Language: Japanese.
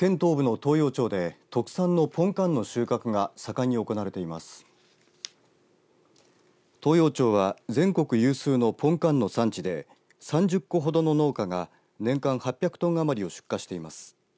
東洋町は全国有数のポンカンの産地で３０戸ほどの農家が年間８００トン余りを出荷しています。